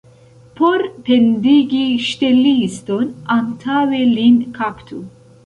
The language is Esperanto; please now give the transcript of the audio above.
Por pendigi ŝteliston, antaŭe lin kaptu.